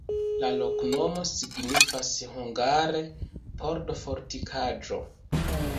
La loknomo signifas hungare: pordo-fortikaĵo.